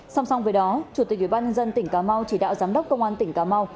song song với đó chủ tịch ubnd tỉnh cà mau chỉ đạo giám đốc công an tỉnh cà mau